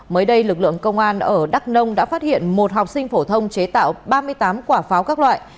mới đây lực lượng công an ở đắk nông đã phát hiện một học sinh phổ thông chế tạo ba mươi tám quả pháo các loại